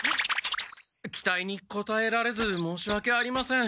期待にこたえられず申しわけありません。